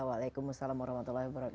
waalaikumussalam wr wb